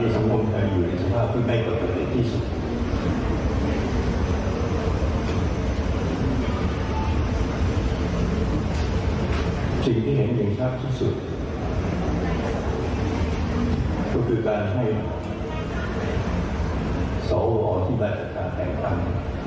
สิ่งที่เห็นยังชัดที่สุดก็คือการให้สวที่แบ่งจากการแข่งกัน